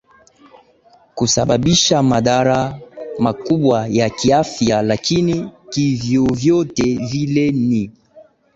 kusababisha madhara makubwa ya kiafya lakini kivyovyote vile ni